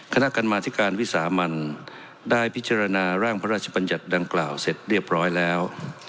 คณะกรรมาธิการวิสามันได้พิจารณาร่างพระราชบัญญัติดังกล่าวเสร็จเรียบร้อยแล้ว